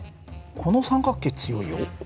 この三角形強いよ。